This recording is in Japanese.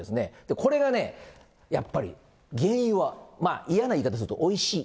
これがね、やっぱり、原油は、嫌な言い方するとおいしい。